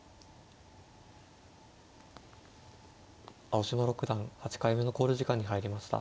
青嶋六段８回目の考慮時間に入りました。